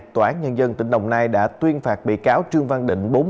tòa án nhân dân tỉnh đồng nai đã tuyên phạt bị cáo trương văn định